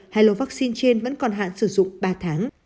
hai lô vaccine trên vẫn còn hạn sử dụng ba tháng